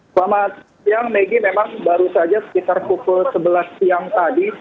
selamat siang megi memang baru saja sekitar pukul sebelas siang tadi